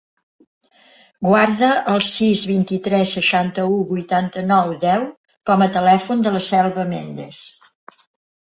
Guarda el sis, vint-i-tres, seixanta-u, vuitanta-nou, deu com a telèfon de la Selva Mendes.